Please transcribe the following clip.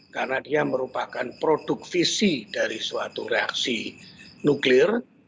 karena dia merupakan produk visi dari suatu reaksi nuklir